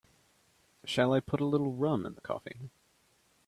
Shall I put a little rum in the coffee?